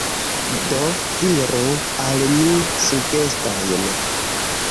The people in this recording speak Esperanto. Do diru al mi sugestojn.